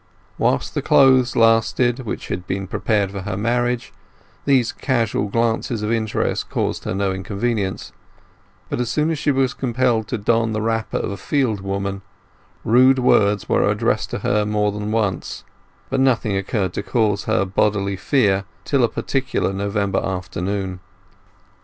Whilst the clothes lasted which had been prepared for her marriage, these casual glances of interest caused her no inconvenience, but as soon as she was compelled to don the wrapper of a fieldwoman, rude words were addressed to her more than once; but nothing occurred to cause her bodily fear till a particular November afternoon.